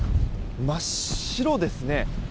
真っ白ですね。